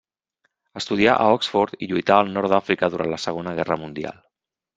Estudià a Oxford i lluità al Nord d'Àfrica durant la Segona Guerra Mundial.